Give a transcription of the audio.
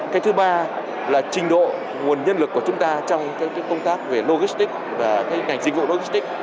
cái thứ ba là trình độ nguồn nhân lực của chúng ta trong công tác về logistics và ngành dịch vụ logistics